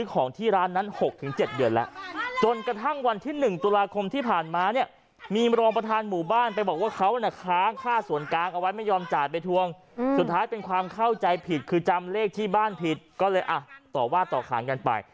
ค้างค่าส่วนกลางเอาไว้ไม่ยอมจ่ายไปทวงสุดท้ายเป็นความเข้าใจผิดคือจำเลขที่บ้านผิดก็เลยอ่ะต่อว่าต่อค้างกันไป